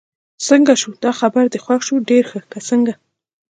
څنګه شو، دا خبر دې خوښ شو؟ ډېر ښه، که څنګه؟